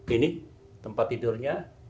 ini tempat tidurnya